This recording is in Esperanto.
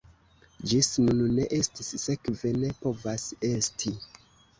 Ĝis nun ne estis, sekve ne povas esti!